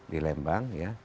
di lembang ya